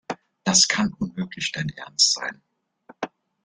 Das kann unmöglich dein Ernst sein.